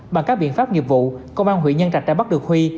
bằng các biện pháp nghiệp vụ công an huyện nhân trạch đã bắt được huy